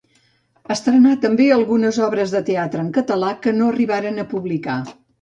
Estrenà també algunes obres de teatre en català que no s'arribaren a publicar.